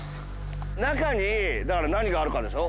中にだから何があるかでしょ？